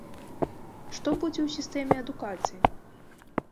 Што будзе ў сістэме адукацыі?